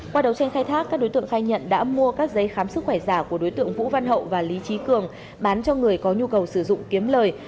qua đấu tranh khai thác các đối tượng khai nhận đã mua các giấy khám sức khỏe giả của đối tượng vũ văn hậu và lý trí cường bán cho người có nhu cầu sử dụng kiếm lời